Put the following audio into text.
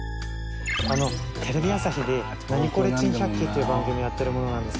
あのテレビ朝日で『ナニコレ珍百景』という番組やってる者なんですけど。